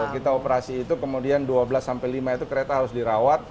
kita operasi itu kemudian dua belas sampai lima itu kereta harus dirawat